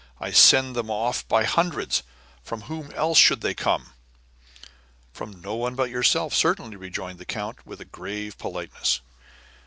I sent them off by hundreds. From whom else could they come?" "From no one but yourself, certainly," rejoined the count, with grave politeness.